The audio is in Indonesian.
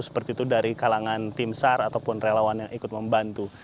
seperti itu dari kalangan tim sar ataupun relawan yang ikut membantu